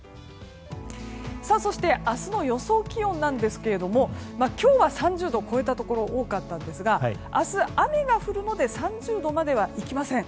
そして明日の予想気温ですが今日は３０度を超えたところ多かったんですが明日、雨が降るので３０度まではいきません。